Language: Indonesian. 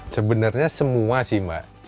sebenarnya semua sih mbak